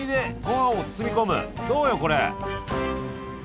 どうよこれ！